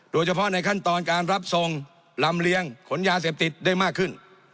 โดยเฉพาะในขั้นตอนการรับทรงลำเลียงขนยาเสพติดได้มากขึ้น